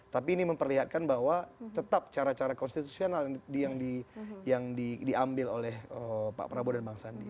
tapi ini memperlihatkan bahwa tetap cara cara konstitusional yang diambil oleh pak prabowo dan bang sandi